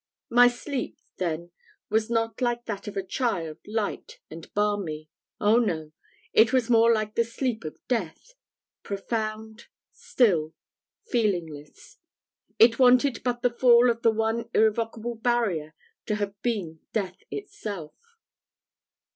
My sleep then was not like that of a child, light and balmy oh, no! it was more like the sleep of death profound, still, feelingless. It wanted but the fall of the one irrevocable barrier to have been death itself.